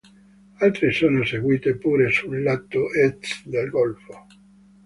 Altre sono seguite pure sul lato est del golfo.